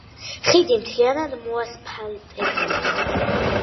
ხიდი მთლიანად მოასფალტებულია.